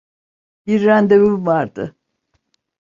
Bir randevum vardı.